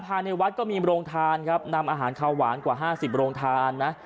ภายในวัดก็มีโรงทานครับนำอาหารขาวหวานกว่า๕๐โรงทานนะ